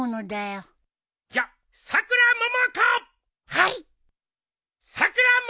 はい！